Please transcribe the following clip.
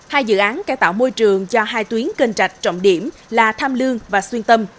hai dự án cải tạo môi trường cho hai tuyến kênh rạch trọng điểm là thăm lưu và xuyên tâm